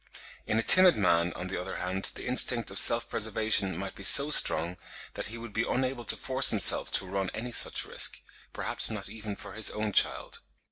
In a timid man, on the other hand, the instinct of self preservation might be so strong, that he would be unable to force himself to run any such risk, perhaps not even for his own child.